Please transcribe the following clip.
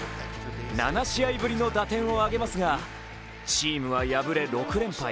７試合ぶりの打点を挙げますが、チームは敗れ６連敗。